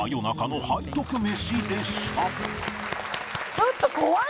ちょっと怖い。